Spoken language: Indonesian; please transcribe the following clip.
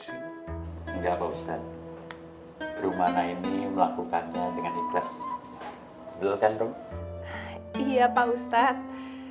ini melakukannya dengan ikhlas belokan iya pak ustadz